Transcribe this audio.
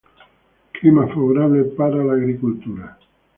Clima favorable para la agricultura.